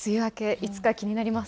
いつか気になります。